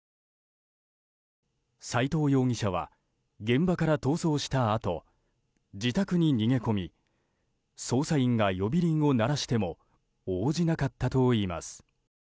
斎藤容疑者は現場から逃走したあと自宅に逃げ込み捜査員が呼び鈴を鳴らしても応じなかったといいます。